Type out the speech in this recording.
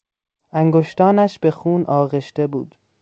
انگشتانش به خون آغشته بود.